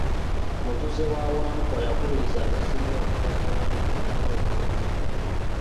Omutuuze wa Wangkwa yakubiriza abeesimbyewo okugatta abalonzi okubawa obuweereza.